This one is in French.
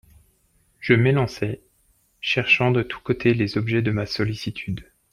Je m'élançai, cherchant de tous côtés les objets de ma sollicitude.